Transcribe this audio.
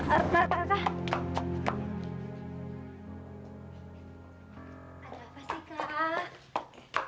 ada apa sih kak